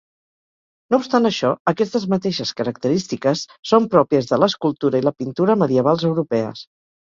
No obstant això, aquestes mateixes característiques són pròpies de l'escultura i la pintura medievals europees.